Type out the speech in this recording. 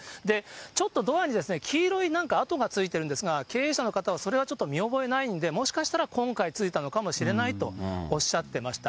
ちょっとドアに黄色い、なんか跡がついてるんですが、経営者の方は、それはちょっと見覚えないんで、もしかしたら今回ついたのかもしれないとおっしゃってました。